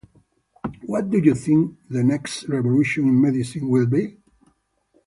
What do you think the next revolution in medicine will be?